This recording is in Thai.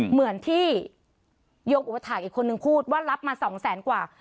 เหมือนที่โยมอุปถาคอีกคนนึงพูดว่ารับมา๒แสนกว่า